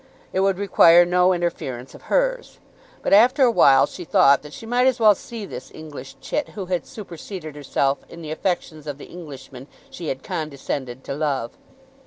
It would require no interference of hers. But after a while she thought that she might as well see this English chit who had superseded herself in the affections of the Englishman she had condescended to love.